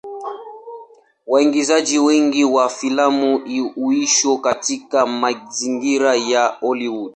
Waigizaji wengi wa filamu huishi katika mazingira ya Hollywood.